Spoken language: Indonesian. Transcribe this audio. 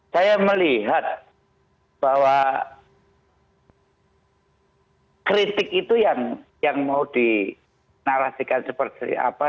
saya melihat bahwa kritik itu yang mau dinarasikan seperti apa